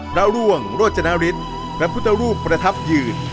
ร่วงโรจนฤทธิ์พระพุทธรูปประทับยืน